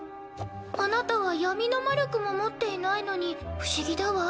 あなたは闇の魔力も持っていないのに不思議だわ。